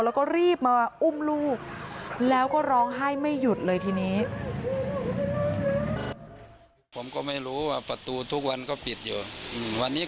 แล้วก็รีบมาอุ้มลูกแล้วก็ร้องไห้ไม่หยุดเลยทีนี้